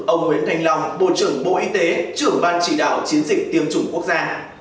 ông nguyễn thành long bộ trưởng bộ y tế trưởng ban chỉ đạo chiến dịch tiêm chủng quốc gia